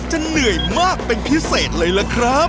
เหนื่อยมากเป็นพิเศษเลยล่ะครับ